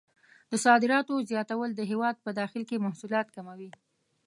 د صادراتو زیاتول د هېواد په داخل کې محصولات کموي.